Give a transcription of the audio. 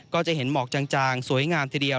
ก็จะเห็นหมอกจางสวยงามทีเดียว